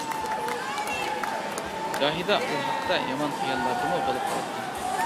گاھىدا ئۇ ھەقتە يامان خىياللاردىمۇ بولۇپ قالاتتىم.